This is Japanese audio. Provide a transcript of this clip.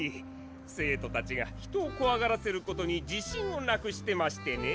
生徒たちが人をこわがらせることに自信をなくしてましてね。